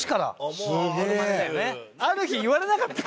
ある日言われなかった？